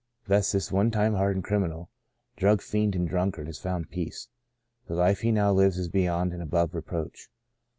Thus this one time hardened criminal, drug fiend and drunkard, has found peace. The life he now lives is beyond and above reproach.